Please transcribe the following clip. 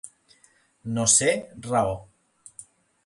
No ser raó.